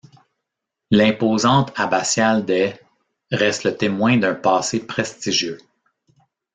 L’imposante abbatiale des reste le témoin d’un passé prestigieux.